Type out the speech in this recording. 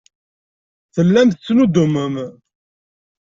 Tellam tettnuddumem.